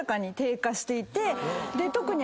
特に。